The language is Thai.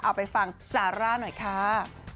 เอาไปฟังซาร่าหน่อยค่ะ